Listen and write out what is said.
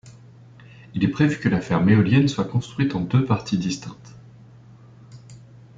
Il est prévu que la ferme éolienne soit construite en deux parties distinctes.